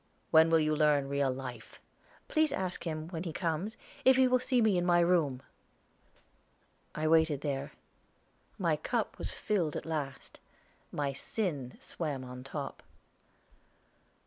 "When will you learn real life?" "Please ask him, when he comes, if he will see me in my room." I waited there. My cup was filled at last. My sin swam on the top.